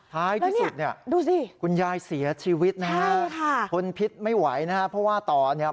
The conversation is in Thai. ท้ายที่สุดเนี่ยดูสิคุณยายเสียชีวิตนะฮะทนพิษไม่ไหวนะฮะเพราะว่าต่อเนี่ย